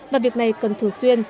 và việc này cần thường xuyên